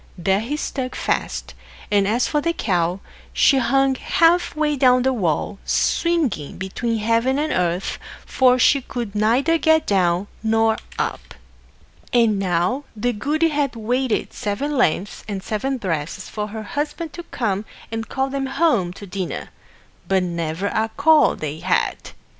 There he stuck fast; and as for the cow, she hung half way down the wall, swinging between heaven and earth, for she could neither get down nor up. And now the goody had waited seven lengths and seven breadths for her Husband to come and call them home to dinner; but never a call they had.